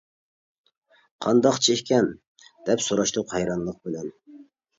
-قانداقچە ئىكەن؟ -دەپ سوراشتۇق ھەيرانلىق بىلەن.